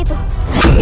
itu ada jejak kaki